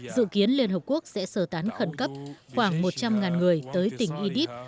dự kiến liên hợp quốc sẽ sơ tán khẩn cấp khoảng một trăm linh người tới tỉnh idib